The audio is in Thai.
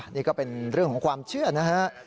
นี่ก็เป็นเรื่องของความเชื่อนะฮะ